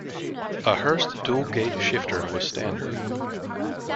A Hurst Dual Gate shifter was standard.